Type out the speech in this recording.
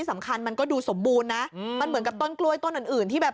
มันก็ดูสมบูรณ์นะมันเหมือนกับต้นกล้วยต้นอื่นอื่นที่แบบ